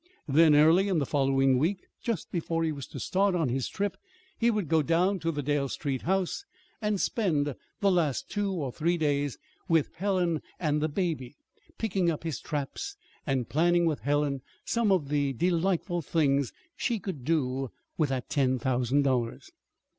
Then, early in the following week, just before he was to start on his trip he would go down to the Dale Street house and spend the last two or three days with Helen and the baby, picking up his traps, and planning with Helen some of the delightful things she could do with that ten thousand dollars.